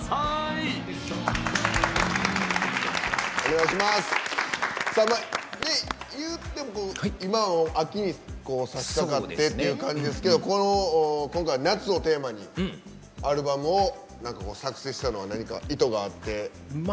いうても今秋さしかかってっていう感じですけど今回「夏」をテーマにアルバムを作製したのは何か意図があって？